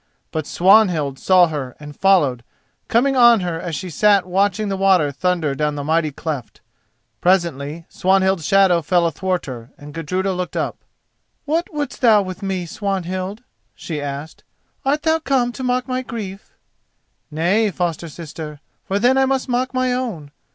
But Swanhild saw her and followed, coming on her as she sat watching the water thunder down the mighty cleft. Presently Swanhild's shadow fell athwart her, and Gudruda looked up. "What wouldst thou with me, Swanhild?" she asked. "Art thou come to mock my grief?" "Nay, foster sister, for then I must mock my own.